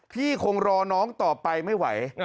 พี่คงรอน้องต่อไปไม่ไหว